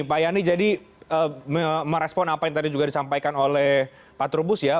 pak yani jadi merespon apa yang tadi juga disampaikan oleh pak trubus ya